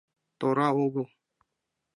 Тора огыл.